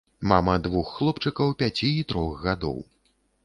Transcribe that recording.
Мама двух хлопчыкаў пяці і трох гадоў.